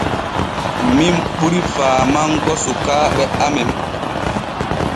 Min ɓuri faamango sukaaɓe amen.